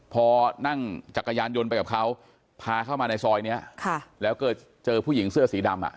พอนั่งจักรยานยนต์ไปกับเขาพาเข้ามาในซอยเนี้ยค่ะแล้วก็เจอผู้หญิงเสื้อสีดำอ่ะ